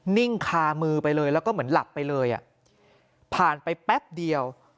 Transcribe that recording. นิ่งคามือไปเลยแล้วก็เหมือนหลับไปเลยอ่ะผ่านไปแป๊บเดียว